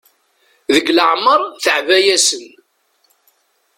Deg leɛmer teɛba-yasen.